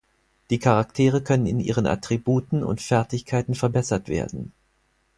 Die Charaktere können in ihren Attributen und Fertigkeiten verbessert werden.